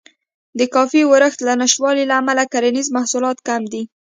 د کافي ورښت له نشتوالي امله کرنیز محصولات کم دي.